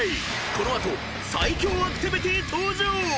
［この後最恐アクティビティ登場！］